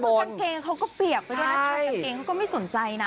คือกางเกงเขาก็เปียกไปด้วยนะชายกางเกงเขาก็ไม่สนใจนะ